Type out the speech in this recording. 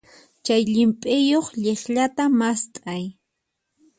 Chay llimp'iyuq llikllata mast'ay.